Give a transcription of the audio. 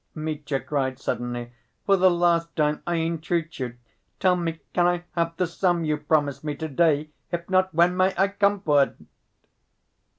Mitya cried suddenly. "For the last time I entreat you, tell me, can I have the sum you promised me to‐day, if not, when may I come for it?"